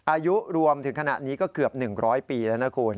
อายุรวมถึงขณะนี้ก็เกือบ๑๐๐ปีแล้วนะคุณ